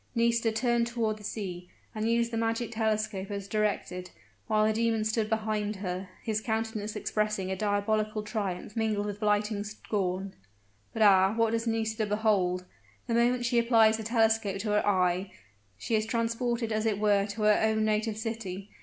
Nisida turned toward the sea, and used the magic telescope as directed, while the demon stood behind her, his countenance expressing a diabolical triumph, mingled with blighting scorn. But ah! what does Nisida behold? The moment she applies the telescope to her eye, she is transported as it were to her own native city.